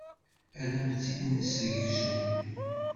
Ad am-tt-id-nessegzu.